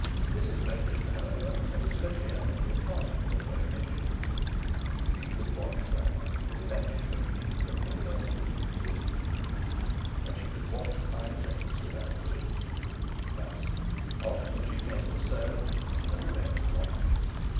Mrs Machin, however, had a speciality apart from her vocation: she could wash flannel with less shrinking than any other woman in the district, and she could wash fine lace without ruining it; thus often she came to sew and remained to wash.